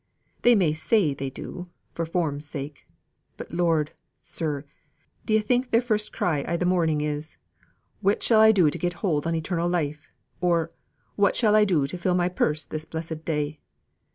They may say they do, for form's sake; but Lord, sir, d'ye think their first cry i' th' morning is, 'What shall I do to get hold on eternal life?' or 'What shall I do to fill my purse this blessed day?